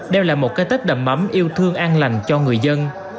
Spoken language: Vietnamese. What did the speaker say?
đeo lại một cái tết đầm mắm yêu thương an lành cho người dân